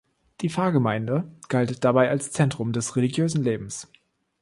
Die Pfarrgemeinde galt dabei als Zentrum des religiösen Lebens.